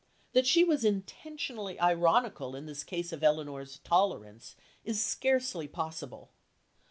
That she was intentionally ironical in this case of Elinor's tolerance is scarcely possible.